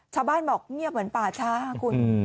ชาวบ้านบอกเงียบเหมือนป่าช้าคุณ